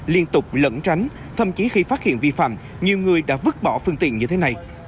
liên tục lẫn tránh thậm chí khi phát hiện vi phạm nhiều người đã vứt bỏ phương tiện như thế này